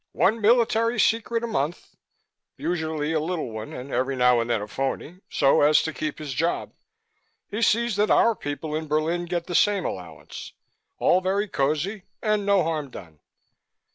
One military secret a month usually a little one and every now and then a phoney so as to keep his job. He sees that our people in Berlin get the same allowance. All very cozy and no harm done."